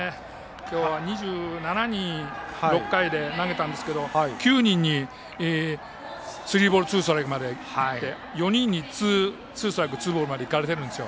今日は２７人に６回で投げたんですけど９人に、スリーボールツーストライクまでいって４人にツーストライクツーボールまでいかれているんですよ。